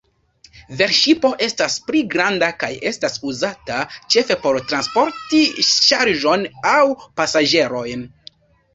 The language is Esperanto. Velŝipo estas pli granda kaj estas uzata ĉefe por transporti ŝarĝon aŭ pasaĝerojn.